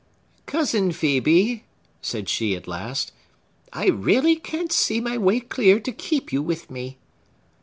"Cousin Phœbe," said she, at last, "I really can't see my way clear to keep you with me."